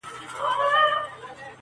څه ژرنده پڅه، څه غنم لانده.